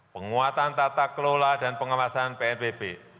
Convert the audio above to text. penguatan tata kelola dan pengawasan pnbp